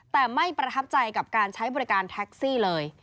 แต่ไม่ประทับใจกับการใช้บริการแท็กซี่เลย